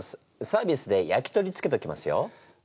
サービスで焼き鳥つけときますよ。